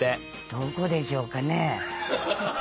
どこでしょうかね？